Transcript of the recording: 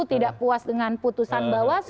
tidak puas dengan putusan bawaslu